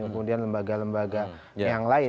kemudian lembaga lembaga yang lain